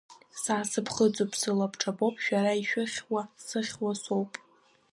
Са сыԥхыӡуп, слабҿабоуп, шәара ишәхьаау зхьаау соуп.